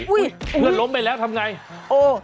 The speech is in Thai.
อุ๊ยไปหลบไปแล้วทำอย่างไร